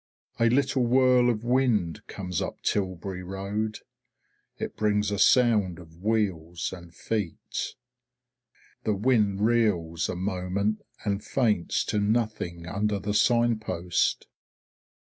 A little whirl of wind comes up Tilbury road. It brings a sound of wheels and feet. The wind reels a moment and faints to nothing under the sign post.